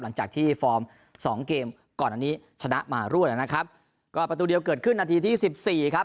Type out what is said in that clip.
หลังจากที่ฟอร์มสองเกมก่อนอันนี้ชนะมารวดนะครับก็ประตูเดียวเกิดขึ้นนาทีที่สิบสี่ครับ